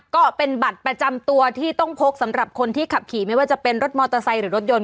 ก็เป็นบัตรประจำตัวที่ต้องพกสำหรับคนที่ขับขี่ไม่ว่าจะเป็นรถมอเตอร์ไซค์หรือรถยนต